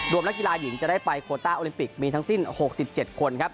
นักกีฬาหญิงจะได้ไปโคต้าโอลิมปิกมีทั้งสิ้น๖๗คนครับ